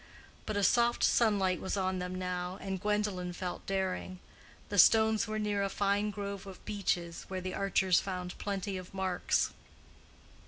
But a soft sunlight was on them now, and Gwendolen felt daring. The stones were near a fine grove of beeches, where the archers found plenty of marks.